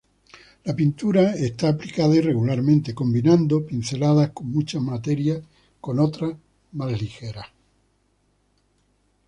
La pintura está aplicada irregularmente, combinando pinceladas con mucha materia con otras más ligeras.